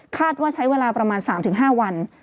ว่าใช้เวลาประมาณ๓๕วัน